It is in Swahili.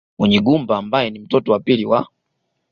Munyigumba ambaye ni mtoto wa pili wa